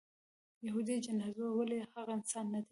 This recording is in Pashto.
یهودي جنازه وه ولې هغه انسان نه دی.